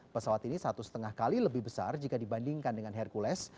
pesawat ini satu setengah kali lebih besar jika dibandingkan dengan hercules